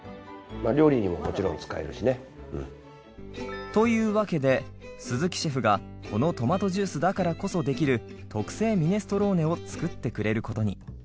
料理にももちろん使えるしね。というわけで鈴木シェフがこのトマトジュースだからこそできる特製ミネストローネを作ってくれることに。